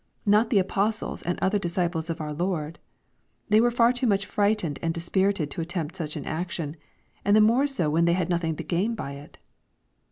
— ^Not the apostles and other disciples of our Lord I They were far too much frightened and dis spirited to attempt such an action^ and the more so when they had nothing to gain by it.